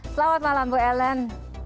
selamat malam bu ellen